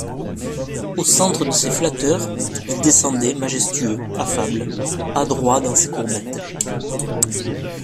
Au centre de ses flatteurs, il descendait, majestueux, affable, adroit dans ses courbettes.